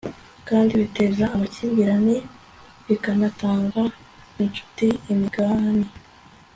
kandi biteza amakimbirane bikanatanya inshuti Imigani